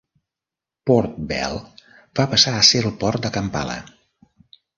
Port Bell va passar a ser el port de Kampala.